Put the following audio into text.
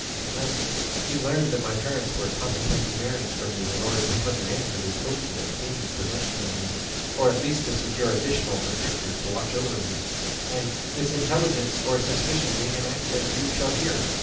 At length he learned that my parents were contemplating marriage for me in order to put an end to his hopes of obtaining possession of me, or at least to secure additional protectors to watch over me, and this intelligence or suspicion made him act as you shall hear.